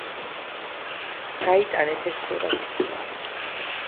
გაიტანეთ ეს სურათი